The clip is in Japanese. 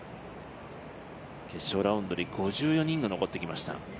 決勝ラウンドに５４人が残ってきました。